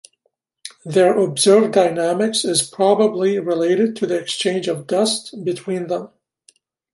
Their observed dynamics is probably related to the exchange of dust between them.